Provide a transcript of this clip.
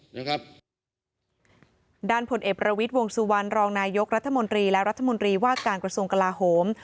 ด้านผลเอกประวิทย์วงสุวรรณรองนายกรัฐมนตรีและรัฐมนตรีว่าการกระทรวงกลาโหม